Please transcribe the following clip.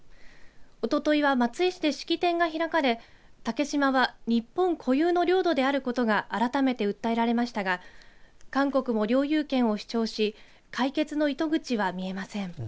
おとといは松江市で式典が開かれ竹島は日本固有の領土であることが改めて訴えられましたが韓国も領有権を主張し解決の糸口は見えません。